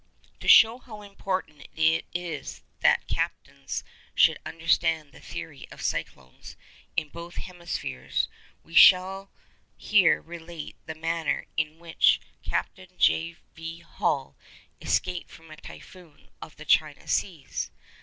To show how important it is that captains should understand the theory of cyclones in both hemispheres, we shall here relate the manner in which Captain J. V. Hall escaped from a typhoon of the China seas.